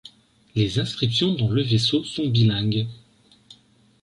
Les inscriptions dans le vaisseau sont bilingues.